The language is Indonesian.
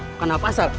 bukan apa asal